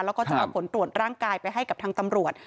แล้วก็จะเอาผลตรวจร่างกายไปให้กับทางตำรวจ